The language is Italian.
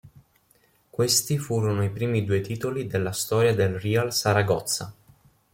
Questi furono i primi due titoli della storia del Real Saragozza.